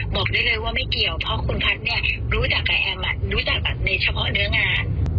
บอกได้เลยว่าไม่เกี่ยวเพราะคุณพัฒน์เนี่ยรู้จักกับแอมรู้จักในเฉพาะเนื้องาน